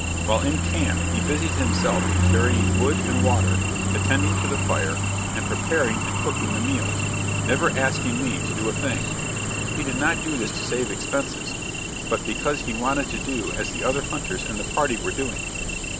While in camp he busied himself in carrying wood and water, attending to the fire, and preparing and cooking the meals, never asking me to do a thing. He did not do this to save expenses, but because he wanted to do as the other hunters in the party were doing.